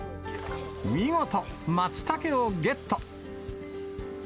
見事、マツタケをゲット。